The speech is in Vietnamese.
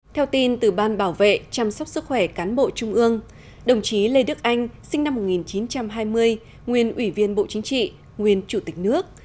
theo tin từ ban bảo vệ chăm sóc sức khỏe cán bộ trung ương đồng chí lê đức anh sinh năm một nghìn chín trăm hai mươi nguyên ủy viên bộ chính trị nguyên chủ tịch nước